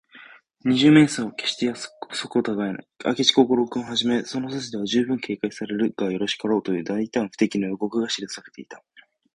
二十面相は、けっして約束をたがえない。明智小五郎君をはじめ、その筋では、じゅうぶん警戒されるがよろしかろう、という大胆不敵の予告が記されていた。